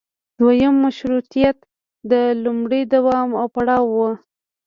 دویم مشروطیت د لومړي دوام او پړاو و.